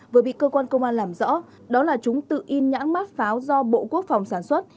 vừa bị cơ quan công an làm rõ đó là chúng tự in nhãn mát pháo do bộ quốc phòng sản xuất